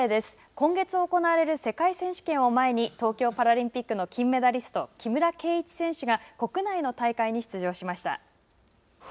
今月行われる世界選手権を前に東京パラリンピックの金メダリスト木村敬一選手が国内の大会に出場しました。